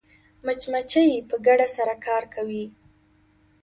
مچمچۍ په ګډه سره کار کوي